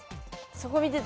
そこ見てた。